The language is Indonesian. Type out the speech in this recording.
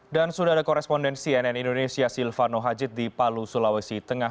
dan sudah ada korespondensi nn indonesia silvano haji di palu sulawesi tengah